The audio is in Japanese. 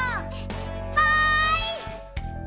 はい！